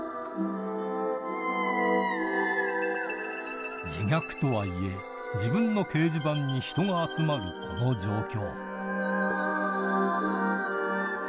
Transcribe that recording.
しかし自虐とはいえ自分の掲示板に人が集まるこの状況